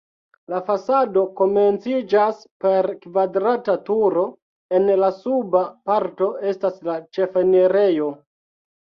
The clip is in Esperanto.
La fasado komenciĝas per kvadrata turo, en la suba parto estas la ĉefenirejo.